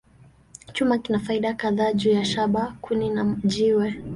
Chuma kina faida kadhaa juu ya shaba, kuni, na jiwe.